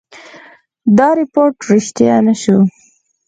دا رپوټ ریشتیا نه شو.